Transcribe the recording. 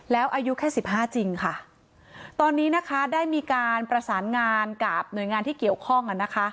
แล้วอายุแค่สิบห้าจริงค่ะตอนนี้นะคะได้มีการประสานงานกับหน่วยงานที่เกี่ยวข้อง